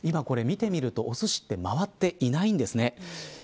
今見てみるとおすしって回っていないんですね。